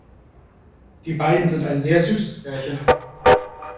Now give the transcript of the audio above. Die beiden sind ein sehr süßes Pärchen.